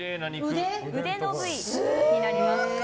腕の部位になります。